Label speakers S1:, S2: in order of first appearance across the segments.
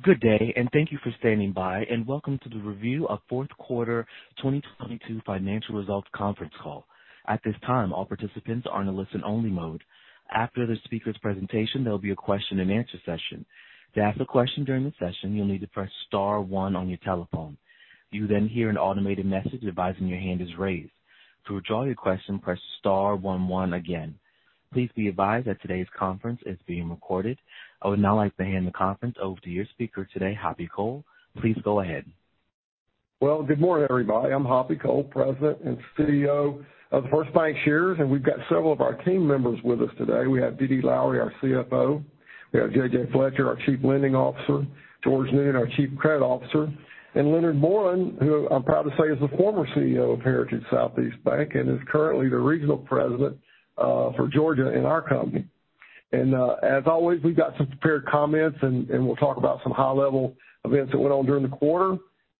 S1: Good day, thank you for standing by, and welcome to the review of Q4 2022 financial results conference call. At this time, all participants are in a listen only mode. After the speaker's presentation, there'll be a question and answer session. To ask a question during the session, you'll need to press star one on your telephone. You'll then hear an automated message advising your hand is raised. To withdraw your question, press star one one again. Please be advised that today's conference is being recorded. I would now like to hand the conference over to your speaker today, Hoppy Cole. Please go ahead.
S2: Well, good morning, everybody. I'm Hoppy Cole, President and CEO of The First Bancshares, and we've got several of our team members with us today. We have DeeDee Lowery, our CFO. We have JJ Fletcher, our Chief Lending Officer, George Noonan, our Chief Credit Officer, and Leonard Moreland, who I'm proud to say is the former CEO of Heritage Southeast Bank and is currently the Regional President for Georgia in our company. As always, we've got some prepared comments, and we'll talk about some high-level events that went on during the quarter.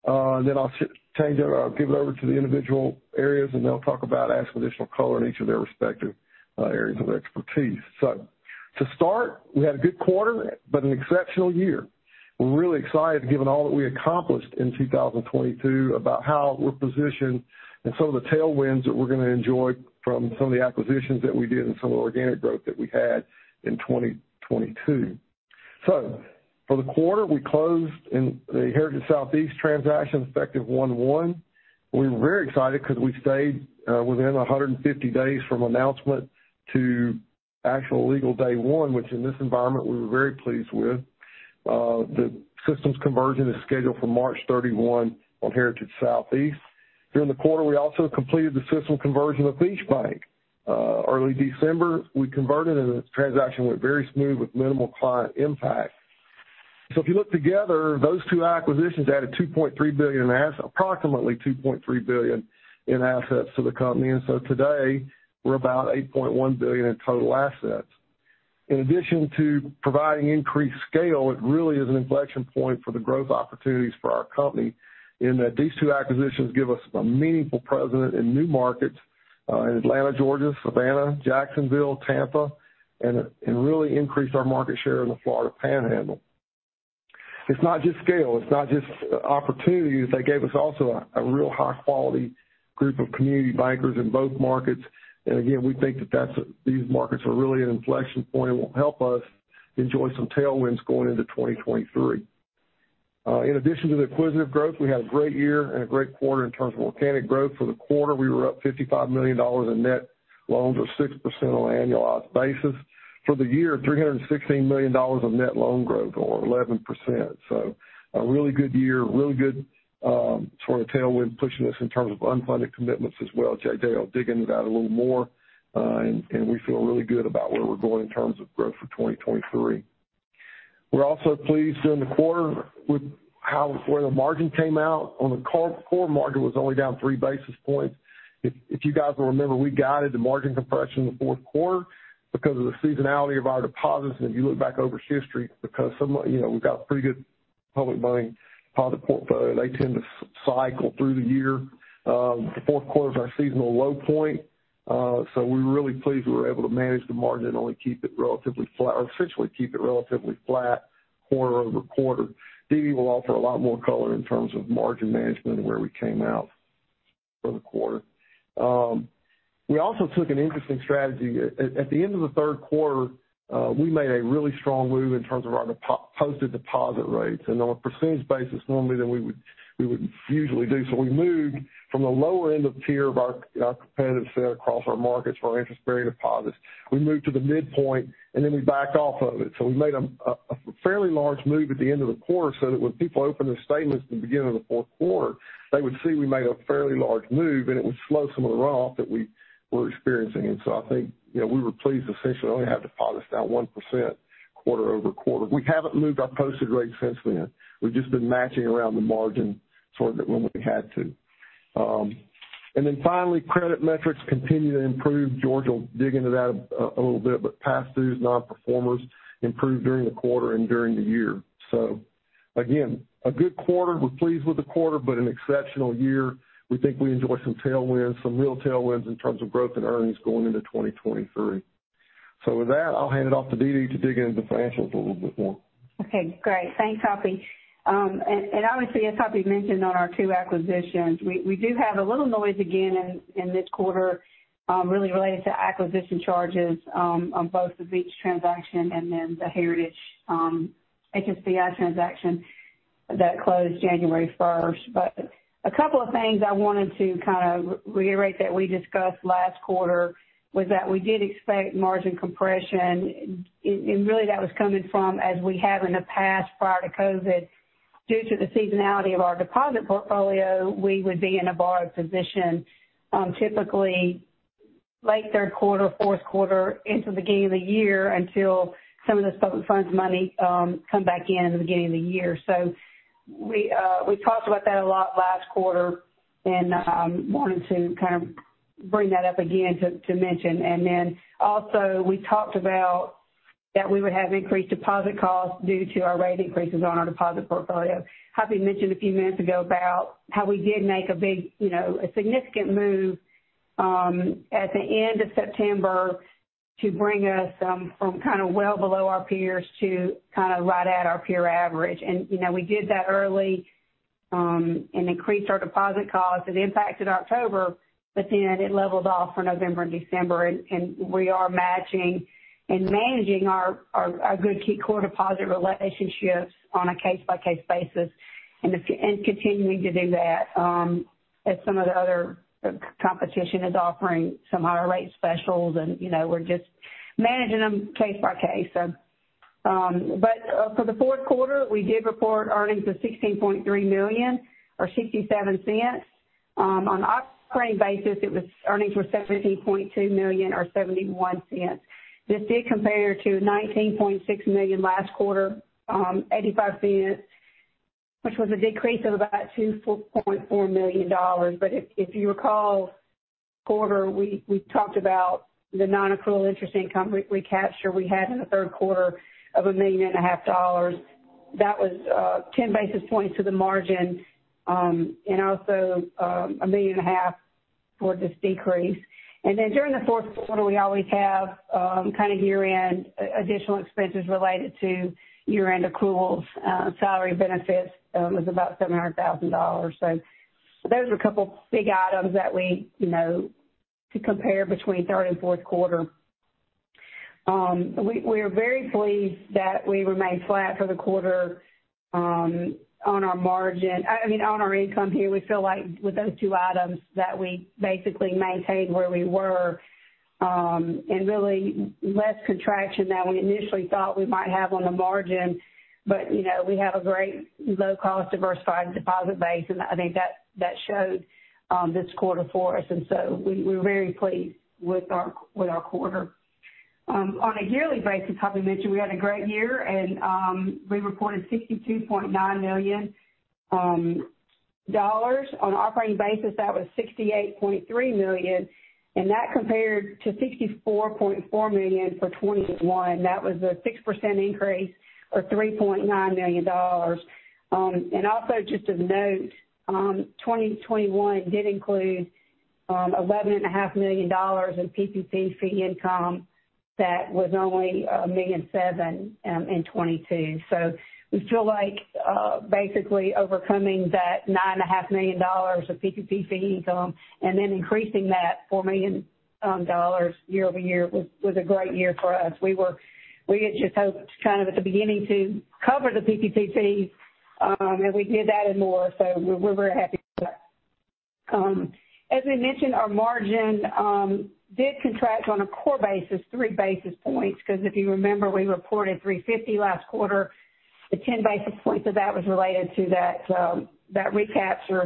S2: I'll change it. I'll give it over to the individual areas, and they'll add some additional color in each of their respective areas of expertise. To start, we had a good quarter, but an exceptional year. We're really excited, given all that we accomplished in 2022 about how we're positioned and some of the tailwinds that we're gonna enjoy from some of the acquisitions that we did and some of the organic growth that we had in 2022. For the quarter, we closed in the Heritage Southeast transaction, effective one one. We were very excited because we stayed within 150 days from announcement to actual legal day one, which in this environment, we were very pleased with. The systems conversion is scheduled for March 31 on Heritage Southeast. During the quarter, we also completed the system conversion of Beach Bank. Early December, we converted, and the transaction went very smooth with minimal client impact. If you look together, those two acquisitions added approximately $2.3 billion in assets to the company. Today we're about $8.1 billion in total assets. In addition to providing increased scale, it really is an inflection point for the growth opportunities for our company in that these two acquisitions give us a meaningful presence in new markets in Atlanta, Georgia, Savannah, Jacksonville, Tampa, and really increased our market share in the Florida Panhandle. It's not just scale, it's not just opportunities. They gave us also a real high quality group of community bankers in both markets. Again, we think that these markets are really an inflection point and will help us enjoy some tailwinds going into 2023. In addition to the acquisitive growth, we had a great year and a great quarter in terms of organic growth. For the quarter, we were up $55 million in net loans or 6% on an annualized basis. For the year, $316 million of net loan growth or 11%. A really good year, really good, sort of tailwind pushing us in terms of unfunded commitments as well. JJ will dig into that a little more, and we feel really good about where we're going in terms of growth for 2023. We're also pleased in the quarter with where the margin came out. On the core margin was only down 3 basis points. If you guys will remember, we guided the margin compression in the Q4 because of the seasonality of our deposits. If you look back over history, because you know, we've got pretty good public money deposit portfolio. They tend to cycle through the year. The Q4 is our seasonal low point. We're really pleased we were able to manage the margin and only keep it relatively flat or essentially keep it relatively flat quarter-over-quarter. Dede will offer a lot more color in terms of margin management and where we came out for the quarter. We also took an interesting strategy. At the end of the Q3, we made a really strong move in terms of our posted deposit rates. On a percentage basis, normally than we would usually do. We moved from the lower end of tier of our competitive set across our markets for our interest-bearing deposits. We moved to the midpoint, we backed off of it. We made a fairly large move at the end of the quarter so that when people opened their statements at the beginning of the Q4, they would see we made a fairly large move, and it would slow some of the runoff that we were experiencing. I think, you know, we were pleased, essentially only have deposits down 1% quarter-over-quarter. We haven't moved our posted rates since then. We've just been matching around the margin sort of when we had to. Finally, credit metrics continue to improve. George will dig into that a little bit, pass-throughs, non-performers improved during the quarter and during the year. Again, a good quarter. We're pleased with the quarter, an exceptional year. We think we enjoy some tailwinds, some real tailwinds in terms of growth and earnings going into 2023. With that, I'll hand it off to DeeDee to dig into the financials a little bit more.
S3: Okay, great. Thanks, Hoppy. Obviously, as Hoppy mentioned on our two acquisitions, we do have a little noise again in this quarter, really related to acquisition charges, on both the Beach transaction and then the Heritage, HSBI transaction that closed January 1st. A couple of things I wanted to kind of reiterate that we discussed last quarter was that we did expect margin compression. And really that was coming from, as we have in the past prior to COVID, due to the seasonality of our deposit portfolio, we would be in a borrowed position, typically late Q3, Q4 into the beginning of the year until some of the funds money, come back in the beginning of the year. We talked about that a lot last quarter and wanted to kind of bring that up again to mention. Also we talked about that we would have increased deposit costs due to our rate increases on our deposit portfolio. Hoppy mentioned a few minutes ago about how we did make a big, you know, a significant move at the end of September to bring us from kind of well below our peers to kind of right at our peer average. You know, we did that early and increased our deposit costs. It impacted October, but then it leveled off for November and December. We are matching and managing our good key core deposit relationships on a case-by-case basis and continuing to do that as some of the other competition is offering some higher rate specials. You know, we're just managing them case by case. For the Q4, we did report earnings of $16.3 million or $0.67. On operating basis, earnings were $17.2 million or $0.71. This did compare to $19.6 million last quarter, $0.85, which was a decrease of about $2.4 million. If you recall, quarter, we talked about the non-accrual interest income recapture we had in the Q3 of a million and a half dollars. That was 10 basis points to the margin, a million and a half for this decrease. During the Q4, we always have additional expenses related to year-end accruals, salary benefits, was about $700,000. Those are a couple big items that we, you know, to compare between third and Q4. We are very pleased that we remained flat for the quarter on our margin. I mean, on our income here, we feel like with those two items that we basically maintained where we were, really less contraction than we initially thought we might have on the margin. You know, we have a great low cost diversified deposit base, and I think that showed this quarter for us. We're very pleased with our quarter. On a yearly basis, Hoppy mentioned we had a great year and we reported $62.9 million. On operating basis, that was $68.3 million, and that compared to $64.4 million for 2021. That was a 6% increase or $3.9 million. Also just to note, 2021 did include eleven and a $500,000 in PPP fee income that was only $1.7 million in 2022. We feel like basically overcoming that $950,000 of PPP fee income and then increasing that $4 million year-over-year was a great year for us. We had just hoped kind of at the beginning to cover the PPP fees, and we did that and more, so we're happy with that. As we mentioned, our margin did contract on a core basis, 3 basis points, because if you remember, we reported 350 last quarter. The 10 basis points of that was related to that recapture.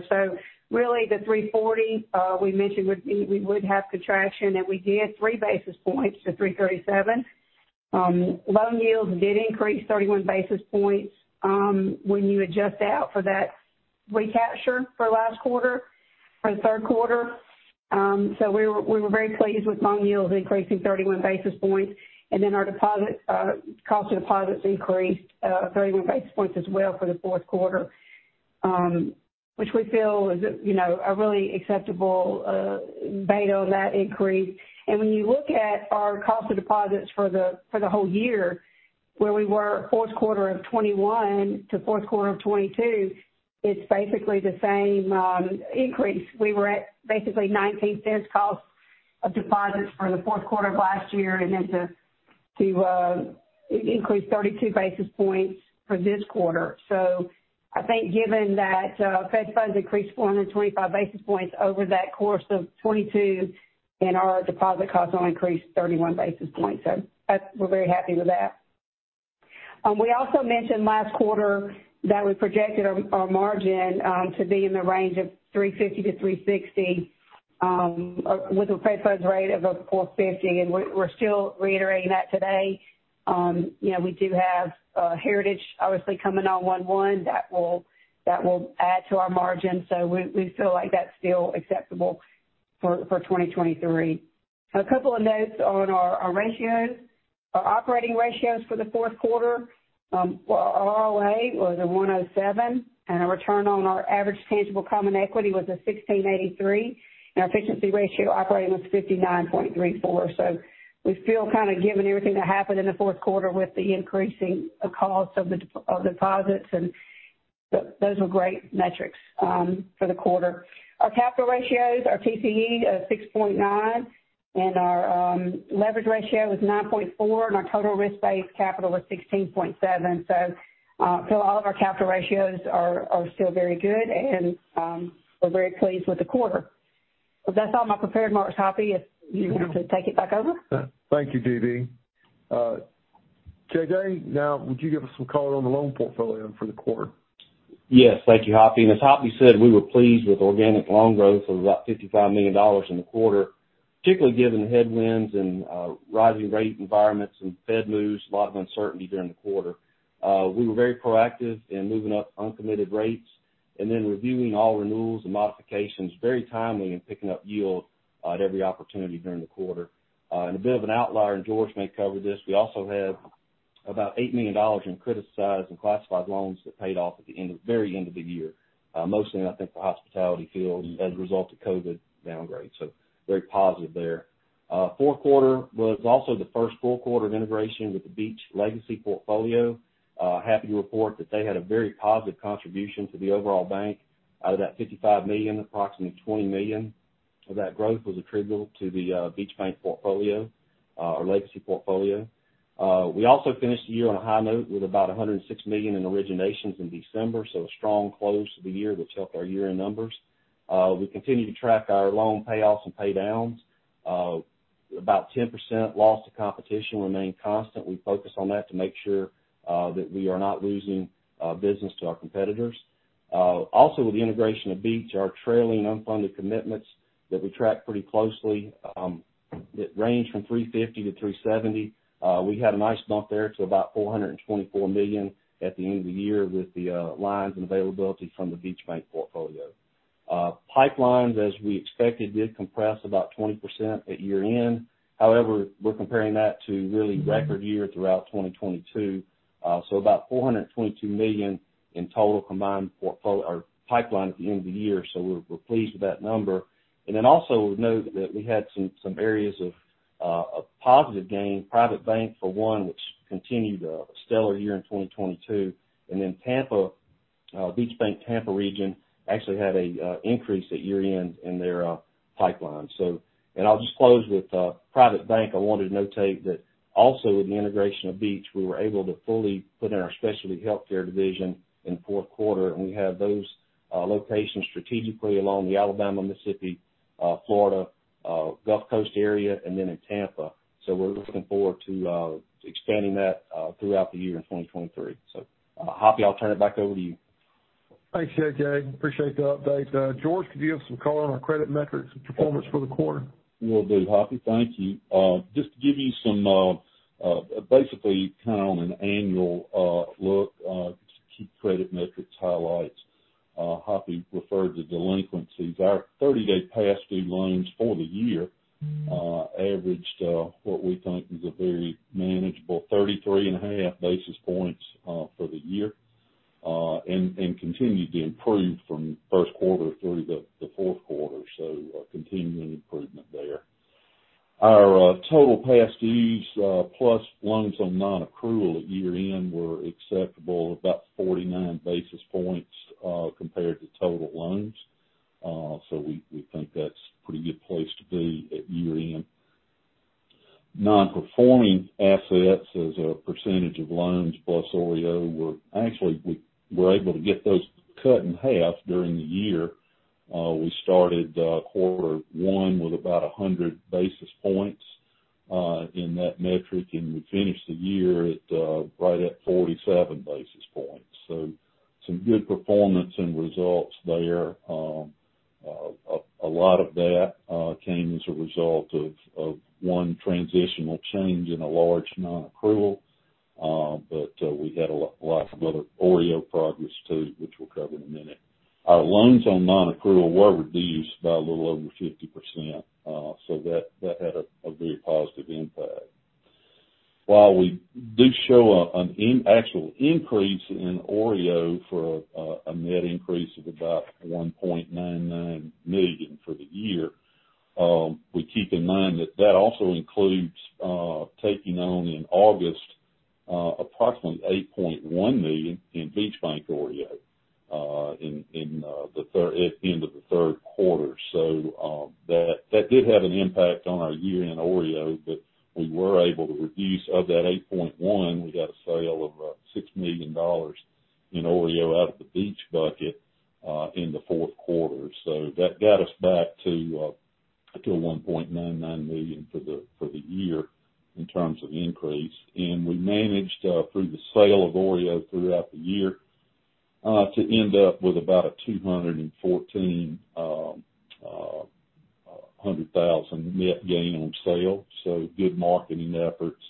S3: Really the 340 we mentioned would be, we would have contraction, and we did 3 basis points to 337. Loan yields did increase 31 basis points when you adjust out for that recapture for last quarter, for the Q3. So we were very pleased with loan yields increasing 31 basis points. Our deposit cost of deposits increased 31 basis points as well for the Q4, which we feel is, you know, a really acceptable beta on that increase. When you look at our cost of deposits for the whole year, where we were Q4 of 2021-Q4 of 2022, it's basically the same increase. We were at basically $0.19 cost of deposits for the Q4 of last year to increase 32 basis points for this quarter. I think given that Fed Funds increased 425 basis points over that course of 2022 and our deposit costs only increased 31 basis points. We're very happy with that. We also mentioned last quarter that we projected our margin to be in the range of 350-360 with a Fed Funds rate of 4.50%, and we're still reiterating that today. You know, we do have Heritage obviously coming on 1/1 that will add to our margin. We feel like that's still acceptable for 2023. A couple of notes on our ratios. Our operating ratios for the Q4, well our ROA was a 1.07%, and a return on our average tangible common equity was a 16.83%, and our efficiency ratio operating was 59.34%. We feel kind of given everything that happened in the Q4 with the increasing cost of deposits and... Those were great metrics for the quarter. Our capital ratios, our TCE of 6.9% and our leverage ratio was 9.4%, and our total risk-based capital was 16.7%. Feel all of our capital ratios are still very good and we're very pleased with the quarter. That's all my prepared remarks, Hoppy. If you want to take it back over.
S2: Thank you, DeeDee. JJ, now would you give us some color on the loan portfolio for the quarter?
S4: Yes, thank you, Hoppy. As Hoppy said, we were pleased with organic loan growth of about $55 million in the quarter, particularly given the headwinds and rising rate environments and Fed moves, a lot of uncertainty during the quarter. We were very proactive in moving up uncommitted rates reviewing all renewals and modifications very timely and picking up yield at every opportunity during the quarter. A bit of an outlier, George may cover this, we also have. About $8 million in criticized and classified loans that paid off at the very end of the year. Mostly I think the hospitality field as a result of COVID downgrade. Very positive there. Q4 was also the first full quarter of integration with the Beach legacy portfolio. Happy to report that they had a very positive contribution to the overall bank. Out of that $55 million, approximately $20 million of that growth was attributable to the Beach Bank portfolio or legacy portfolio. We also finished the year on a high note with about $106 million in originations in December, a strong close to the year which helped our year-end numbers. We continue to track our loan payoffs and pay downs. About 10% loss to competition remained constant. We focus on that to make sure that we are not losing business to our competitors. Also with the integration of Beach, our trailing unfunded commitments that we track pretty closely, it ranged from $350 million-$370 million. We had a nice bump there to about $424 million at the end of the year with the lines and availability from the Beach Bank portfolio. Pipelines, as we expected, did compress about 20% at year-end. However, we're comparing that to really record year throughout 2022. About $422 million in total combined pipeline at the end of the year, so we're pleased with that number. Also note that we had some areas of a positive gain, private bank for one, which continued a stellar year in 2022. Then Tampa, Beach Bank Tampa region actually had a increase at year-end in their pipeline. I'll just close with private bank. I wanted to notate that also with the integration of Beach, we were able to fully put in our specialty healthcare division in the Q4, and we have those locations strategically along the Alabama, Mississippi, Florida, Gulf Coast area, and then in Tampa. We're looking forward to expanding that throughout the year in 2023. Hoppy, I'll turn it back over to you.
S2: Thanks, JJ. Appreciate the update. George, could you give some color on our credit metrics performance for the quarter?
S5: Will do, Hoppy. Thank you. Just to give you some, basically kind of on an annual look, just to keep credit metrics highlights, Hoppy referred to delinquencies. Our 30-day past due loans for the year averaged what we think is a very manageable 33.5 basis points for the year and continued to improve from Q1 through the Q4. Continuing improvement there. Our total past dues plus loans on non-accrual at year-end were acceptable, about 49 basis points compared to total loans. We think that's pretty good place to be at year-end. Non-performing assets as a percentage of loans plus OREO actually, we were able to get those cut in half during the year. We started quarter one with about 100 basis points in that metric, and we finished the year at right at 47 basis points. Some good performance and results there. A lot of that came as a result of one transitional change in a large non-accrual, but we had lots of other OREO progress too, which we'll cover in a minute. Our loans on non-accrual were reduced by a little over 50%, so that had a very positive impact. While we do show an actual increase in OREO for a net increase of about $1.99 million for the year, we keep in mind that also includes taking on in August approximately $8.1 million in Beach Bank OREO at the end of the Q3. That did have an impact on our year-end OREO, but we were able to reduce. Of that $8.1 million, we got a sale of $6 million in OREO out of the Beach bucket in the Q4. That got us back to $1.99 million for the year in terms of increase. We managed through the sale of OREO throughout the year to end up with about a $214 hundred thousand net gain on sale. Good marketing efforts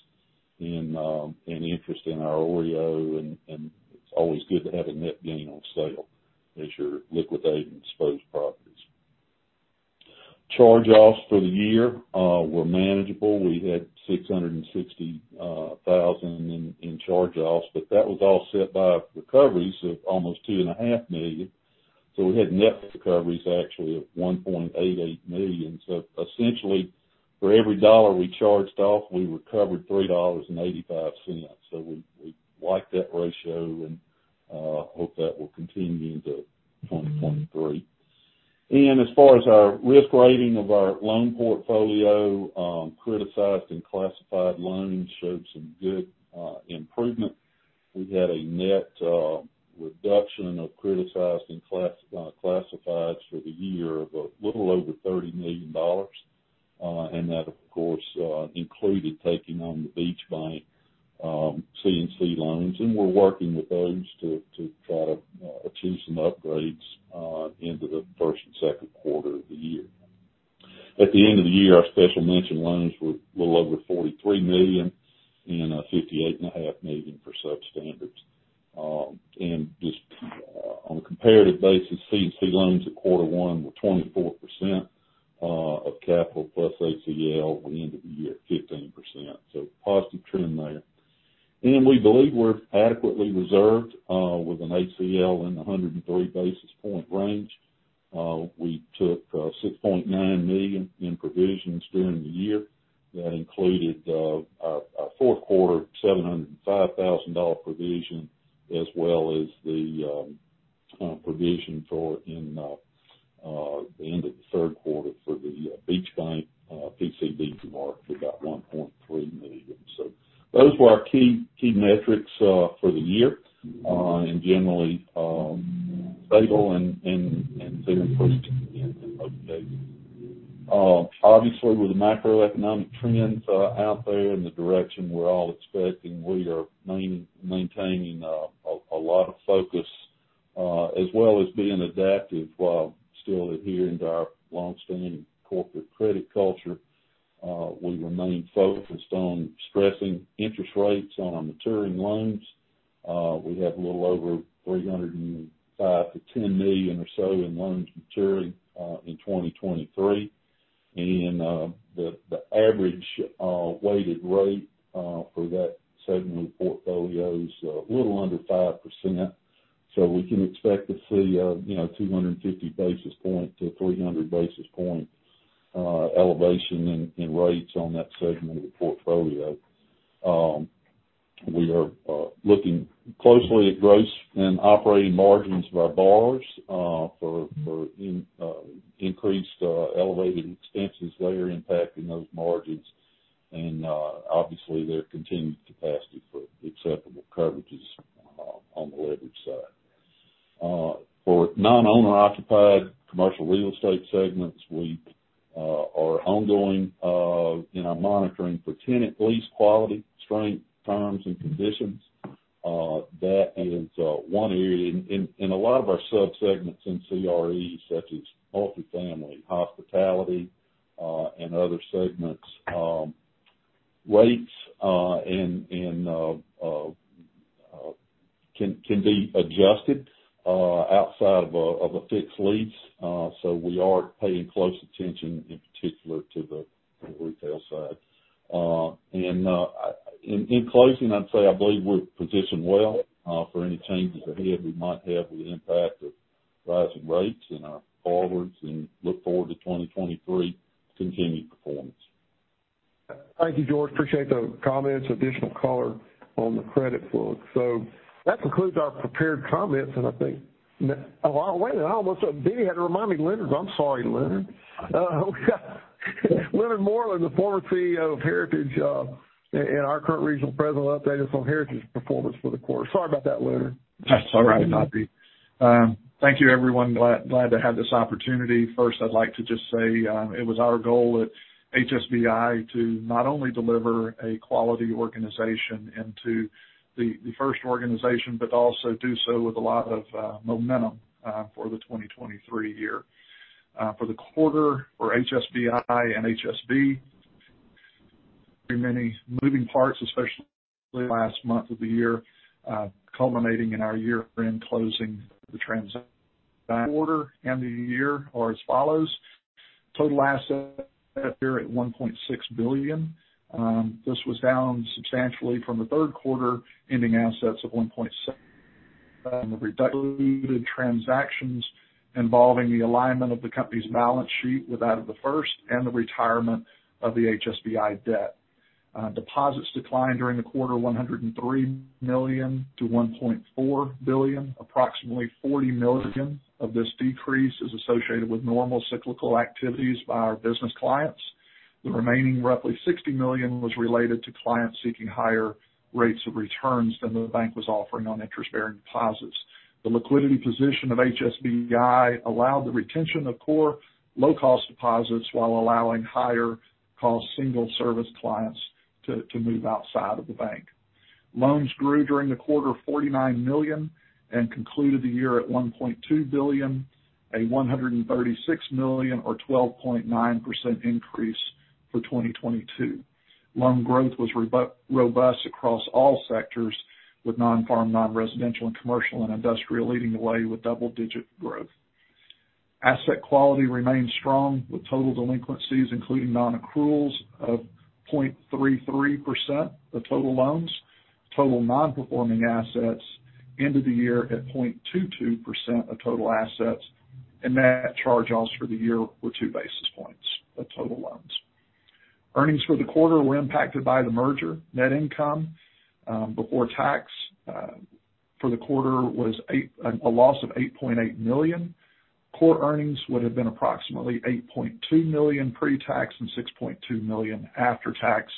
S5: and interest in our OREO and it's always good to have a net gain on sale as you're liquidating exposed properties. Charge-offs for the year were manageable. We had $660 thousand in charge-offs, but that was offset by recoveries of almost $2.5 million. We had net recoveries actually of $1.88 million. Essentially for every dollar we charged off, we recovered $3.85. We like that ratio and hope that will continue into 2023. As far as our risk rating of our loan portfolio, criticized and classified loans showed some good improvement. We had a net reduction of criticized and classifieds for the year of a little over $30 million. That of course included taking on the Beach Bank C&I loans, and we're working with those to try to achieve some upgrades into the Q1 and Q2 of the year. At the end of the year, our special mention loans were a little over $43 million and $58.5 million for substandard. Comparative basis, C&C loans at Q1 were 24% of capital plus ACL at the end of the year, 15%. Positive trend there. We believe we're adequately reserved with an ACL in the 103 basis point range. We took $6.9 million in provisions during the year. That included a Q4 $705,000 provision as well as the provision for the end of the Q3 for the Beach Bank PCD to mark for about $1.3 million. Those were our key metrics for the year. Generally stable and favorable. Obviously with the macroeconomic trends out there and the direction we're all expecting, we are maintaining a lot of focus as well as being adaptive while still adhering to our long-standing corporate credit culture. We remain focused on stressing interest rates on our maturing loans. We have a little over $305 million-$310 million or so in loans maturing in 2023. The average weighted rate for that segment portfolio is a little under 5%. We can expect to see, you know, 250 basis point to 300 basis point elevation in rates on that segment of the portfolio. We are looking closely at gross and operating margins of our borrowers for increased elevated expenses that are impacting those margins. Obviously their continued capacity for acceptable coverages on the leverage side. For non-owner occupied commercial real estate segments, we are ongoing, you know, monitoring for tenant lease quality, strength, terms and conditions. That is one area in a lot of our subsegments in CRE, such as multifamily, hospitality, and other segments, rates and can be adjusted outside of a fixed lease. So we are paying close attention in particular to the retail side. And in closing, I'd say I believe we're positioned well for any changes ahead we might have with the impact of rising rates in our borrowers and look forward to 2023 continued performance.
S2: Thank you, George. Appreciate the comments, additional color on the credit book. That concludes our prepared comments. I think, wait a minute, Benny had to remind me, Leonard. I'm sorry, Leonard. We got Leonard Moreland, the former CEO of Heritage, and our current regional president, will update us on Heritage's performance for the quarter. Sorry about that, Leonard.
S6: That's all right, Hoppy. Thank you everyone. Glad to have this opportunity. First, I'd like to just say, it was our goal at HSBI to not only deliver a quality organization into The First organization, but also do so with a lot of momentum for the 2023 year. For the quarter for HSBI and HSB, pretty many moving parts, especially last month of the year, culminating in our year-end closing the trans quarter and the year are as follows. Total assets appear at $1.6 billion. This was down substantially from the Q3, ending assets of $1.7 billion from the redu transactions involving the alignment of the company's balance sheet with that of The First and the retirement of the HSBI debt. Deposits declined during the quarter $103 million-$1.4 billion. Approximately $40 million of this decrease is associated with normal cyclical activities by our business clients. The remaining roughly $60 million was related to clients seeking higher rates of returns than the bank was offering on interest-bearing deposits. The liquidity position of HSBI allowed the retention of core low cost deposits while allowing higher cost single service clients to move outside of the bank. Loans grew during the quarter $49 million and concluded the year at $1.2 billion, a $136 million or 12.9% increase for 2022. Loan growth was robo-robust across all sectors, with non-farm, non-residential and commercial and industrial leading the way with double-digit growth. Asset quality remained strong with total delinquencies, including non-accruals of 0.33% of total loans. Total non-performing assets into the year at 0.22% of total assets, and net charge-offs for the year were 2 basis points of total loans. Earnings for the quarter were impacted by the merger. Net income before tax for the quarter was a loss of $8.8 million. Core earnings would have been approximately $8.2 million pre-tax and $6.2 million after tax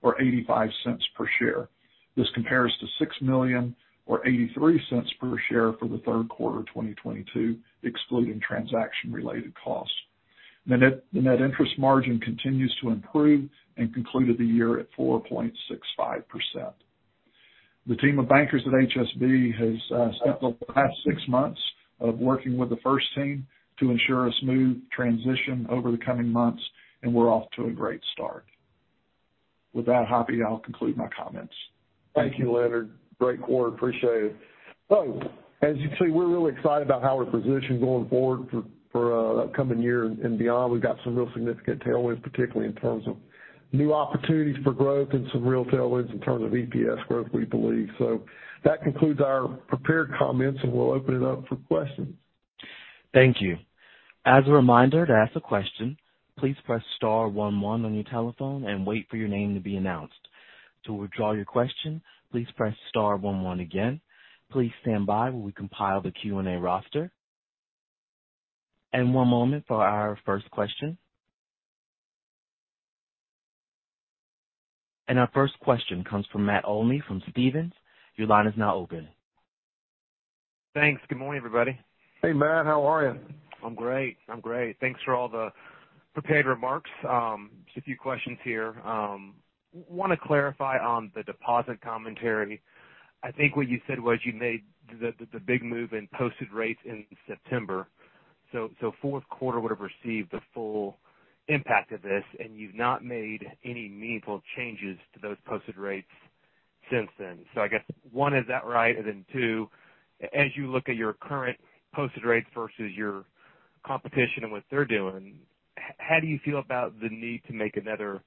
S6: or $0.85 per share. This compares to $6 million or $0.83 per share for the Q3 of 2022, excluding transaction related costs. The net interest margin continues to improve and concluded the year at 4.65%.The team of bankers at HSB has spent the past six months of working with The First team to ensure a smooth transition over the coming months. We're off to a great start. With that, Hoppy, I'll conclude my comments.
S2: Thank you, Leonard. Great quarter. Appreciate it. As you can see, we're really excited about how we're positioned going forward for upcoming year and beyond. We've got some real significant tailwinds, particularly in terms of new opportunities for growth and some real tailwinds in terms of EPS growth, we believe. That concludes our prepared comments, and we'll open it up for questions.
S1: Thank you. As a reminder, to ask a question, please press star one one on your telephone and wait for your name to be announced. To withdraw your question, please press star one one again. Please stand by while we compile the Q&A roster. One moment for our first question. Our first question comes from Matt Olney from Stephens. Your line is now open.
S7: Thanks. Good morning, everybody.
S2: Hey, Matt. How are you?
S7: I'm great. I'm great. Thanks for all the prepared remarks. Just a few questions here. Wanna clarify on the deposit commentary. I think what you said was you made the big move in posted rates in September, so Q4 would have received the full impact of this, and you've not made any meaningful changes to those posted rates since then. I guess one, is that right? Then two, as you look at your current posted rates versus your competition and what they're doing, how do you feel about the need to make another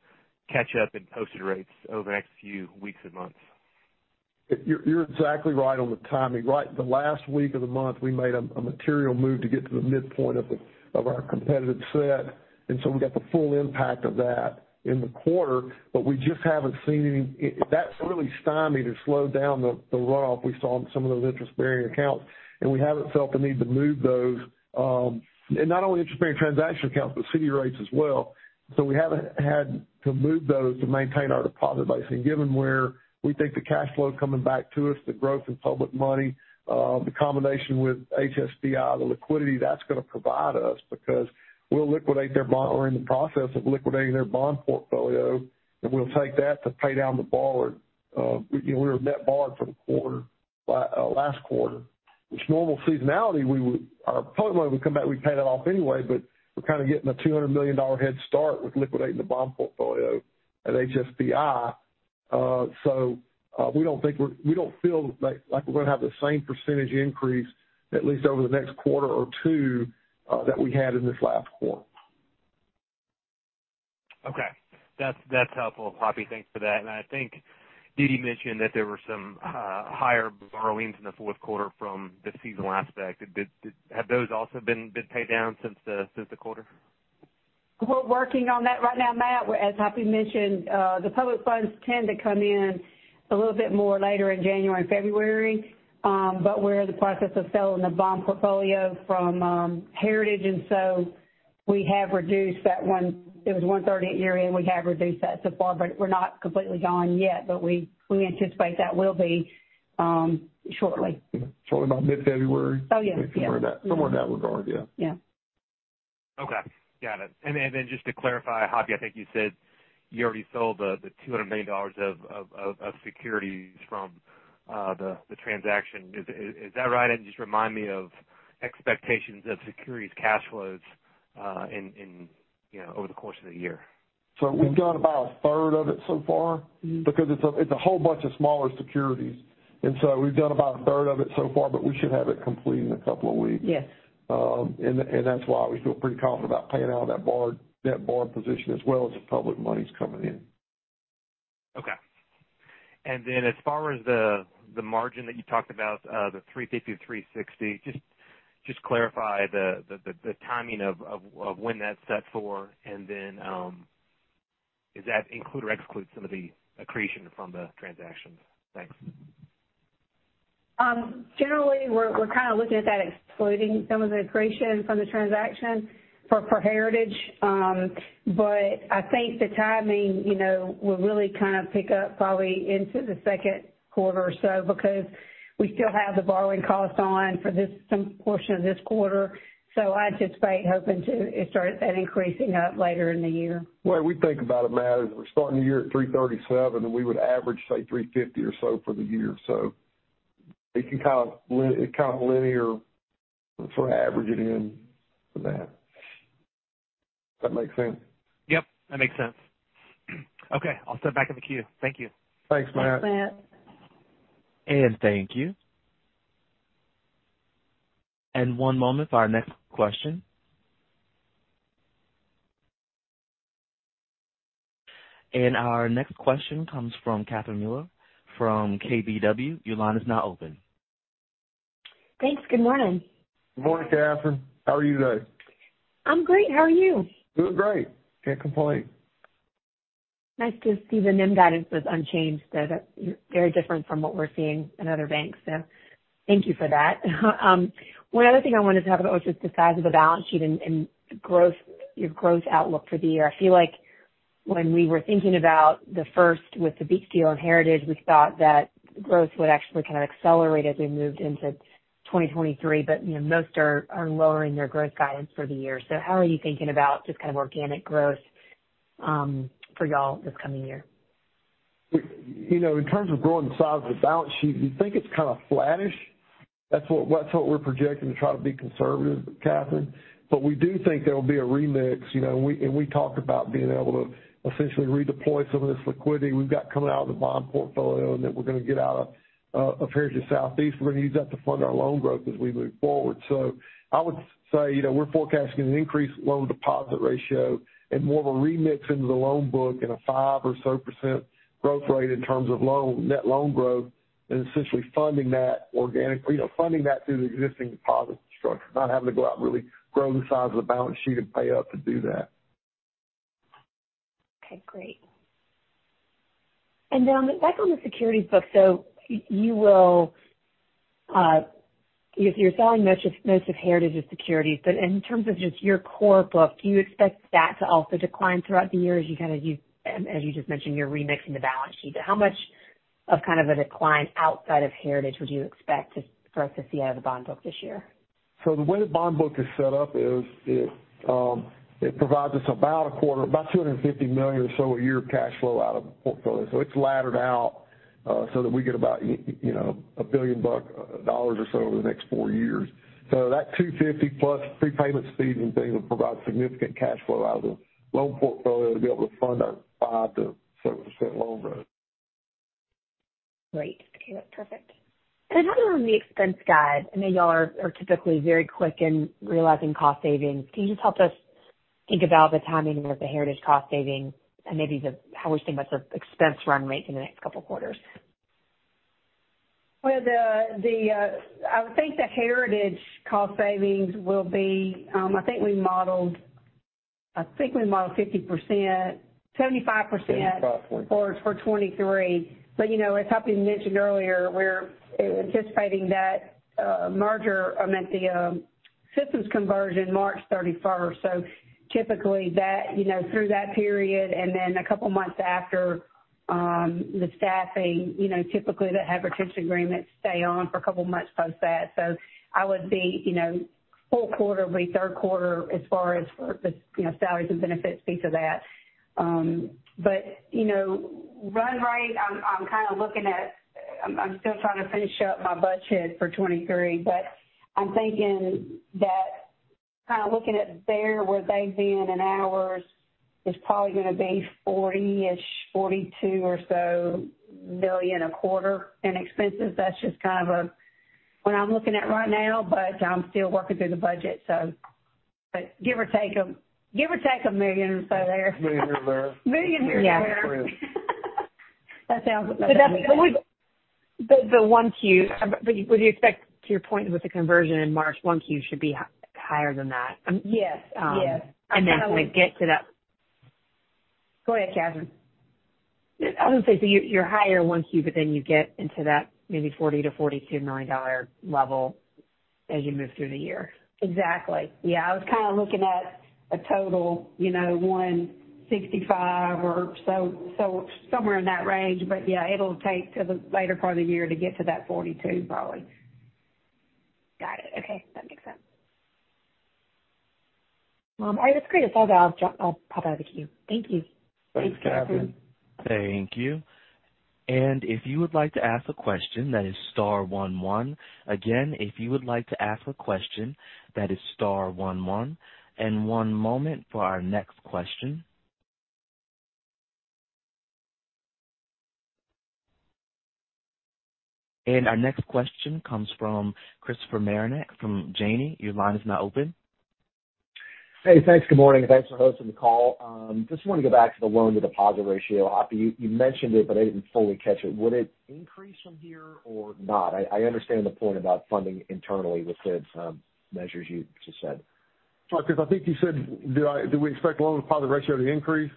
S7: catch up in posted rates over the next few weeks and months?
S2: You're exactly right on the timing. The last week of the month, we made a material move to get to the midpoint of our competitive set, and so we got the full impact of that in the quarter. We just haven't seen That's really stymied or slowed down the runoff we saw in some of those interest-bearing accounts, and we haven't felt the need to move those, and not only interest-bearing transaction accounts, but CD rates as well. We haven't had to move those to maintain our deposit base. Given where we think the cash flow coming back to us, the growth in public money, the combination with HSBI, the liquidity that's gonna provide us because we'll liquidate their bond. We're in the process of liquidating their bond portfolio, and we'll take that to pay down the borrowed. You know, we were net borrowed for the quarter last quarter, which normal seasonality our public money would come back, we'd pay that off anyway, but we're kinda getting a $200 million head start with liquidating the bond portfolio at HSBI. We don't feel like we're gonna have the same percentage increase at least over the next quarter or two that we had in this last quarter.
S7: Okay. That's helpful, Hoppy. Thanks for that. I think DeeDee mentioned that there were some higher borrowings in the Q4 from the seasonal aspect. Have those also been paid down since the quarter?
S3: We're working on that right now, Matt. As Hoppy mentioned, the public funds tend to come in a little bit more later in January and February. We're in the process of selling the bond portfolio from Heritage, and so we have reduced that one. It was $130 at year-end, we have reduced that so far, but we're not completely gone yet, but we anticipate that will be shortly.
S2: Shortly about mid-February.
S3: Oh, yeah. Yeah.
S2: Somewhere in that regard. Yeah.
S3: Yeah.
S7: Okay. Got it. Just to clarify, Hoppy, I think you said you already sold the $200 million of securities from the transaction. Is that right? Just remind me of expectations of securities cash flows, you know, over the course of the year.
S2: We've done about a third of it so far because it's a whole bunch of smaller securities. We've done about a third of it so far, but we should have it complete in a couple of weeks.
S3: Yes.
S2: That's why we feel pretty confident about paying out that net borrowed position as well as the public monies coming in.
S7: Okay. As far as the margin that you talked about, the 3.50%-3.60%, just clarify the timing of when that's set for, and then is that include or exclude some of the accretion from the transactions? Thanks.
S3: Generally we're kinda looking at that excluding some of the accretion from the transaction for Heritage. I think the timing, you know, will really kind of pick up probably into the Q2 or so because we still have the borrowing costs on for this, some portion of this quarter. I anticipate hoping to it start that increasing up later in the year.
S2: Way we think about it, Matt, is we're starting the year at $3.37, and we would average, say, $3.50 or so for the year. It can kind of linear if we're averaging in for that. Does that make sense?
S7: Yep, that makes sense. Okay, I'll step back in the queue. Thank you.
S2: Thanks, Matt.
S3: Thanks, Matt.
S1: Thank you. One moment for our next question. Our next question comes from Catherine Mealor from KBW. Your line is now open.
S8: Thanks. Good morning.
S2: Good morning, Catherine. How are you today?
S8: I'm great. How are you?
S2: Doing great. Can't complain.
S8: Nice to see the NIM guidance was unchanged, though. Very different from what we're seeing in other banks, thank you for that. One other thing I wanted to talk about was just the size of the balance sheet and growth, your growth outlook for the year. I feel like when we were thinking about The First with the Beach deal and Heritage, we thought that growth would actually kind of accelerate as we moved into 2023. You know, most are lowering their growth guidance for the year. How are you thinking about just kind of organic growth for y'all this coming year?
S2: You know, in terms of growing the size of the balance sheet, we think it's kind of flattish. That's what we're projecting to try to be conservative, Catherine. We do think there will be a remix. You know, and we talked about being able to essentially redeploy some of this liquidity we've got coming out of the bond portfolio and that we're going to get out of Heritage Southeast. We're going to use that to fund our loan growth as we move forward. I would say, you know, we're forecasting an increased loan to deposit ratio and more of a remix into the loan book and a 5% or so growth rate in terms of net loan growth and essentially funding that organic, you know, funding that through the existing deposit structure, not having to go out and really grow the size of the balance sheet and pay up to do that.
S8: Okay, great. Back on the securities book. You will, if you're selling most of Heritage's securities, but in terms of just your core book, do you expect that to also decline throughout the year as you kind of, as you just mentioned, you're remixing the balance sheet? How much of kind of a decline outside of Heritage would you expect for us to see out of the bond book this year?
S2: The way the bond book is set up is it provides us about a quarter, about $250 million or so a year of cash flow out of the portfolio. It's laddered out, so that we get about, you know, $1 billion buck dollars or so over the next four years. That $250 plus prepayment speed and things will provide significant cash flow out of the loan portfolio to be able to fund our 5%-7% loan growth.
S8: Great. Okay, perfect. Then on the expense guide, I know y'all are typically very quick in realizing cost savings. Can you just help us think about the timing of the Heritage cost savings and maybe the, how we think about the expense run rate in the next couple of quarters?
S3: The Heritage cost savings will be, I think we modeled 50%, 75%...
S2: 75%.
S3: For 2023. You know, as Hoppy mentioned earlier, we're anticipating that merger, I meant the systems conversion March 31st. Typically that, you know, through that period and then a couple of months after, the staffing, you know, typically the advertising agreements stay on for a couple of months post that. I would be, you know, full quarter would be Q3 as far as for the, you know, salaries and benefits piece of that. You know, run rate, I'm kind of looking at, I'm still trying to finish up my budget for 2023, I'm thinking that kind of looking at there, where they've been and ours is probably going to be $40-ish, $42 or so million a quarter in expenses. That's just kind of a, what I'm looking at right now, I'm still working through the budget. Give or take $1 million or so there.
S2: Million here, there.
S3: Million here, there.
S8: That sounds-
S3: But that's-
S8: Q1, would you expect to your point with the conversion in March, Q1 should be higher than that?
S3: Yes. Yes.
S8: Kind of get to that.
S3: Go ahead, Catherine.
S8: I was going to say, you're higher Q1, but then you get into that maybe $40 million-$42 million level as you move through the year.
S3: Exactly. Yeah. I was kind of looking at a total, you know, $165 or so somewhere in that range. Yeah, it'll take till the later part of the year to get to that $42 probably.
S8: Got it. Okay, that makes sense. All right, that's great. It sounds like I'll pop out of the queue. Thank you.
S2: Thanks, Catherine.
S1: Thank you. If you would like to ask a question, that is star one one. Again, if you would like to ask a question, that is star one one. One moment for our next question. Our next question comes from Christopher Marinac from Janney. Your line is now open.
S9: Hey, thanks. Good morning. Thanks for hosting the call. Just want to go back to the loan to deposit ratio. Hoppy, you mentioned it, but I didn't fully catch it. Would it increase from here or not? I understand the point about funding internally with Sid's measures you just said.
S2: Sure, Chris. I think you said do we expect loan deposit ratio to increase?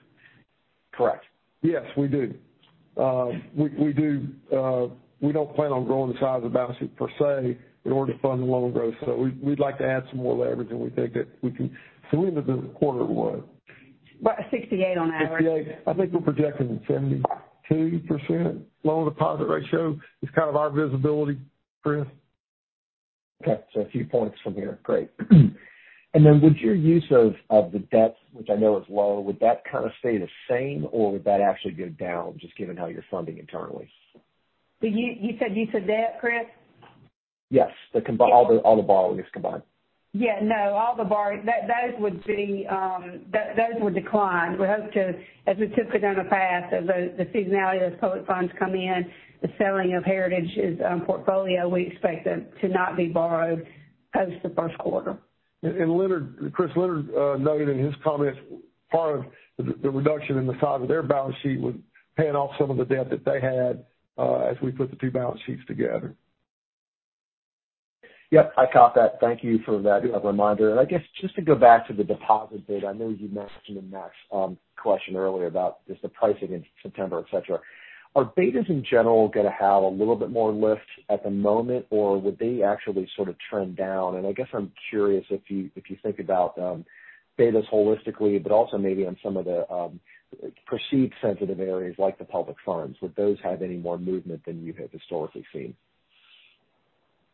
S9: Correct.
S2: Yes, we do. We do. We don't plan on growing the size of the balance sheet per se in order to fund the loan growth. We'd like to add some more leverage, and we think that we can. We ended the quarter at what?
S3: About 68 on average.
S2: 68. I think we're projecting 72% loan deposit ratio is kind of our visibility, Chris.
S9: Okay. A few points from here. Great. Would your use of the debt, which I know is low, would that kind of stay the same, or would that actually go down just given how you're funding internally?
S3: You said use of debt, Chris?
S9: Yes.
S3: Yes.
S9: All the borrowings combined.
S3: Yeah, no, all the borrow that, those would be, those would decline. We hope to, as we took it down the path of the seasonality of those public funds come in, the selling of Heritage's portfolio, we expect them to not be borrowed post the Q1.
S2: Leonard, Chris, Leonard noted in his comments, part of the reduction in the size of their balance sheet would paying off some of the debt that they had, as we put the two balance sheets together.
S9: Yep, I caught that. Thank you for that reminder. I guess just to go back to the deposit bid, I know you mentioned in Max question earlier about just the pricing in September, et cetera. Are betas in general going to have a little bit more lift at the moment, or would they actually sort of trend down? I guess I'm curious if you, if you think about betas holistically, but also maybe on some of the perceived sensitive areas like the public funds. Would those have any more movement than you have historically seen?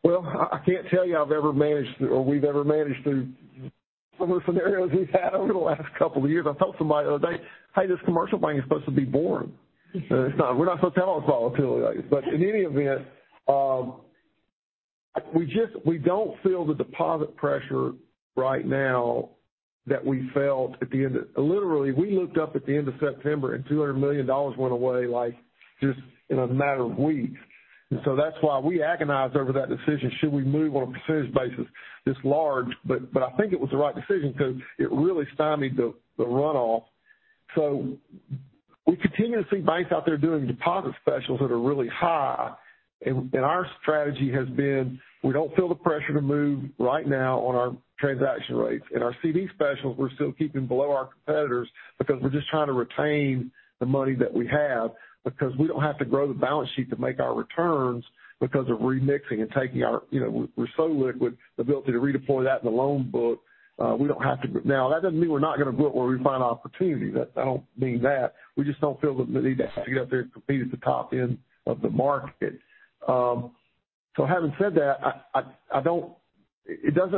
S2: Well, I can't tell you I've ever managed or we've ever managed through similar scenarios we've had over the last couple of years. I told somebody the other day, "Hey, this commercial bank is supposed to be boring." We're not supposed to have all this volatility. In any event, we don't feel the deposit pressure right now that we felt at the end of. Literally, we looked up at the end of September, and $200 million went away, like, just in a matter of weeks. That's why we agonized over that decision, should we move on a percentage basis this large? But I think it was the right decision because it really stymied the runoff. We continue to see banks out there doing deposit specials that are really high. Our strategy has been, we don't feel the pressure to move right now on our transaction rates. In our CD specials, we're still keeping below our competitors because we're just trying to retain the money that we have because we don't have to grow the balance sheet to make our returns because of remixing and taking our, you know, we're so liquid, the ability to redeploy that in the loan book, we don't have to. That doesn't mean we're not going to grow it where we find opportunity. That don't mean that. We just don't feel the need to get up there and compete at the top end of the market. Having said that, I don't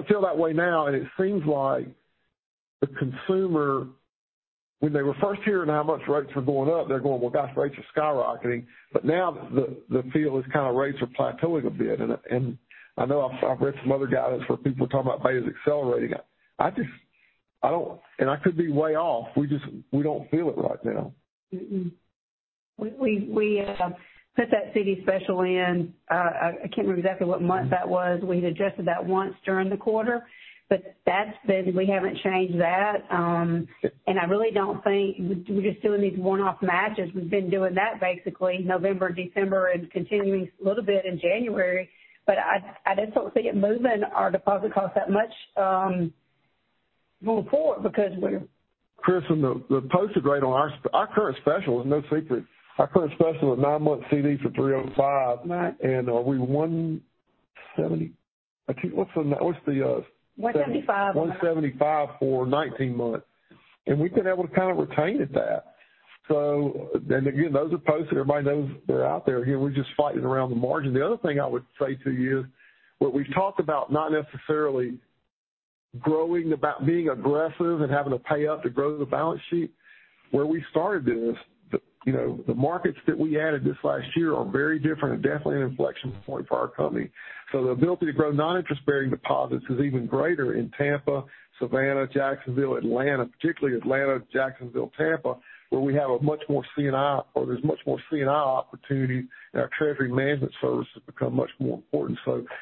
S2: feel that way now, and it seems like the consumer, when they were first hearing how much rates were going up, they're going, "Well, gosh, rates are skyrocketing." Now the feel is kind of rates are plateauing a bit. I know I've read some other guidance where people are talking about beta's accelerating. I don't, and I could be way off. We don't feel it right now.
S3: We put that CD special in, I can't remember exactly what month that was. We had adjusted that once during the quarter, but that's been, we haven't changed that. I really don't think we're just doing these one-off matches. We've been doing that basically November, December and continuing a little bit in January. I just don't see it moving our deposit cost that much moving forward.
S2: Chris, the posted rate on our current special is no secret. Our current special is nine-month CD for 305.
S3: Right.
S2: Are we $170? I think. What's the
S3: $175.
S2: 175 for 19 months. We've been able to kind of retain at that. Again, those are posts. Everybody knows they're out there. Again, we're just fighting around the margin. The other thing I would say to you, what we've talked about not necessarily growing, about being aggressive and having to pay up to grow the balance sheet. Where we started this, you know, the markets that we added this last year are very different and definitely an inflection point for our company. The ability to grow non-interest bearing deposits is even greater in Tampa, Savannah, Jacksonville, Atlanta, particularly Atlanta, Jacksonville, Tampa, where we have a much more C&I or there's much more C&I opportunity and our treasury management services become much more important.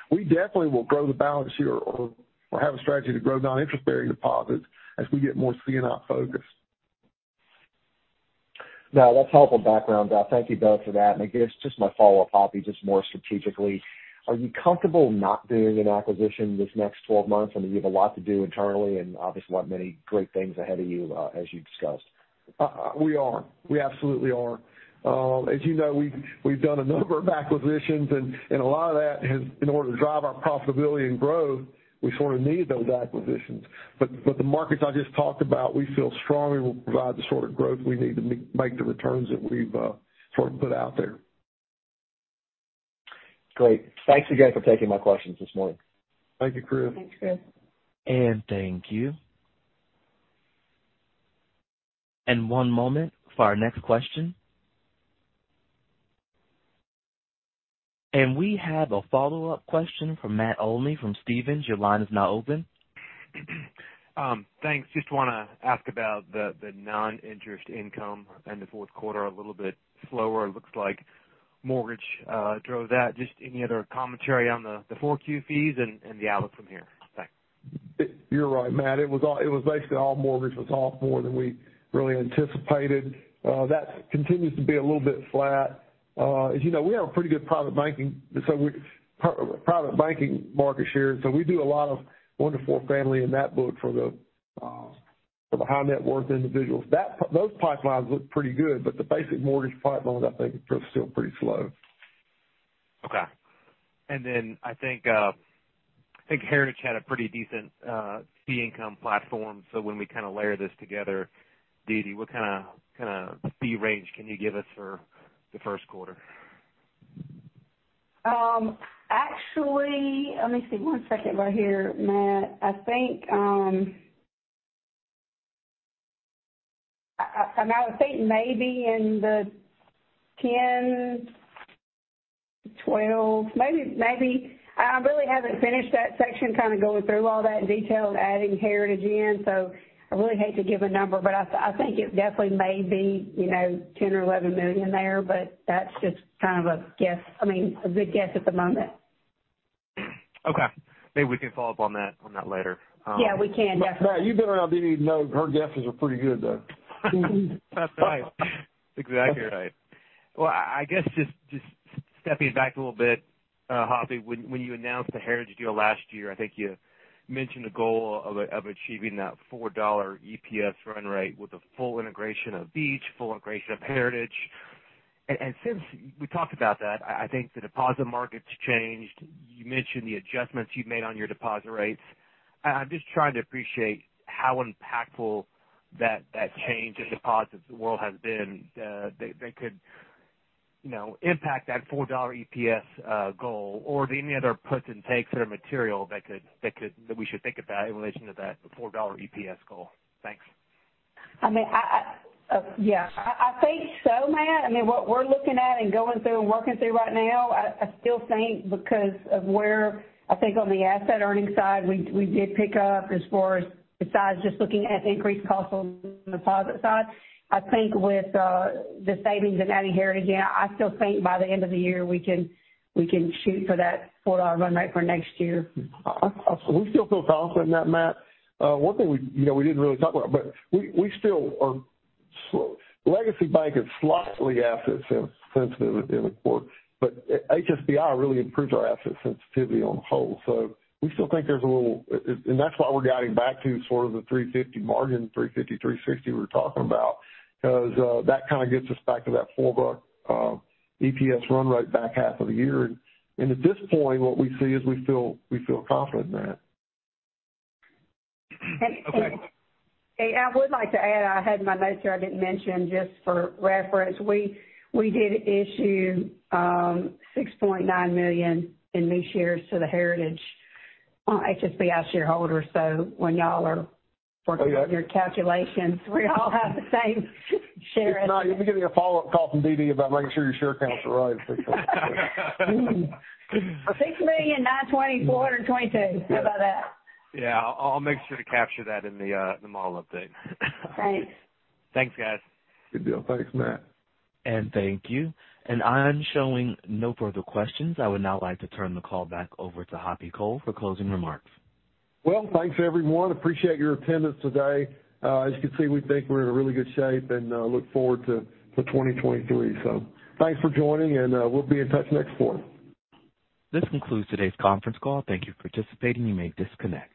S2: We definitely will grow the balance sheet or have a strategy to grow non-interest bearing deposits as we get more C&I focused.
S9: No, that's helpful background. Thank you both for that. I guess just my follow-up, Hoppy, just more strategically, are you comfortable not doing an acquisition this next 12 months? I mean, you have a lot to do internally and obviously want many great things ahead of you, as you discussed.
S2: We are. We absolutely are. As you know, we've done a number of acquisitions and a lot of that has, in order to drive our profitability and growth, we sort of need those acquisitions. The markets I just talked about, we feel strongly will provide the sort of growth we need to make the returns that we've sort of put out there.
S9: Great. Thanks again for taking my questions this morning.
S2: Thank you, Chris.
S3: Thanks, Chris.
S1: Thank you. One moment for our next question. We have a follow-up question from Matt Olney from Stephens. Your line is now open.
S7: Thanks. Just want to ask about the non-interest income in the Q4, a little bit slower. It looks like mortgage drove that. Just any other commentary on the Q4 fees and the outlook from here. Thanks.
S2: You're right, Matt. It was basically all mortgage. It was off more than we really anticipated. That continues to be a little bit flat. As you know, we have a pretty good private banking, so we private banking market share. We do a lot of multifamily in that book for the high net worth individuals. Those pipelines look pretty good, but the basic mortgage pipeline, I think, are still pretty slow.
S7: Okay. I think Heritage had a pretty decent fee income platform. When we kind of layer this together, DeeDee, what kind of fee range can you give us for the Q1?
S3: Actually, let me see one second right here, Matt. I think maybe in the 10, 12, maybe. I really haven't finished that section, kind of going through all that in detail and adding Heritage in. I really hate to give a number, but I think it definitely may be, you know, $10 million or $11 million there, but that's just kind of a guess. I mean, a good guess at the moment.
S7: Okay. Maybe we can follow up on that, on that later.
S3: Yeah, we can definitely.
S2: Matt, you've been around DeeDee to know her guesses are pretty good, though.
S7: That's right. Exactly right. Well, I guess just stepping back a little bit, Hoppy, when you announced the Heritage deal last year, I think you mentioned the goal of achieving that $4 EPS run rate with the full integration of Beach, full integration of Heritage. Since we talked about that, I think the deposit market's changed. You mentioned the adjustments you've made on your deposit rates. I'm just trying to appreciate how impactful that change in deposit world has been, that could, you know, impact that $4 EPS goal or any other puts and takes that are material that could, that we should think about in relation to that $4 EPS goal. Thanks.
S3: I mean, Yeah, I think so, Matt. I mean, what we're looking at and going through and working through right now, I still think because of where I think on the asset earnings side, we did pick up as far as besides just looking at increased costs on the deposit side. I think with the savings and adding Heritage in, I still think by the end of the year, we can shoot for that $4 run rate for next year.
S2: We still feel confident in that, Matt. One thing we, you know, we didn't really talk about, Legacy Bank is slightly asset sensitive in the quarter, HSBI really improves our asset sensitivity on the whole. We still think there's a little... That's why we're guiding back to sort of the 3.50% margin, 3.50%-3.60% we were talking about. That kind of gets us back to that $4 EPS run rate back half of the year. At this point, what we see is we feel confident in that.
S7: Okay.
S3: I would like to add, I had in my notes here, I didn't mention just for reference, we did issue $6.9 million in new shares to the Heritage HSBI shareholders. When y'all are working on your calculations, we all have the same shares.
S2: If not, you'll be getting a follow-up call from DeeDee about making sure your share counts are right.
S3: $6,092,422. How about that?
S7: Yeah, I'll make sure to capture that in the model update.
S3: Thanks.
S7: Thanks, guys.
S2: Good deal. Thanks, Matt.
S1: Thank you. I'm showing no further questions. I would now like to turn the call back over to Hoppy Cole for closing remarks.
S2: Well, thanks everyone. Appreciate your attendance today. As you can see, we think we're in really good shape and look forward to 2023. Thanks for joining and we'll be in touch next quarter.
S1: This concludes today's conference call. Thank you for participating. You may disconnect.